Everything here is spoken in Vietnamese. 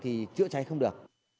thì chữa cháy không được